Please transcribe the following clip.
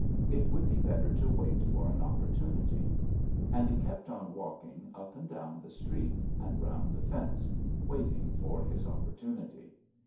It would be better to wait for an opportunity." And he kept on walking up and down the street, and round the fence, waiting for his opportunity.